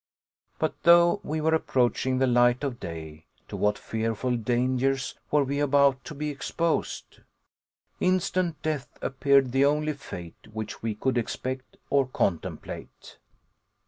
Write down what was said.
But though we were approaching the light of day, to what fearful dangers were we about to be exposed? Instant death appeared the only fate which we could expect or contemplate.